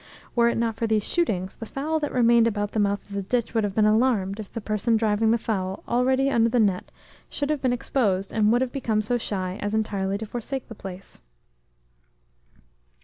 Were it not for these shootings, the fowl that remained about the mouth of the ditch would have been alarmed, if the person driving the fowl already under the net should have been exposed, and would have become so shy as entirely to forsake the place."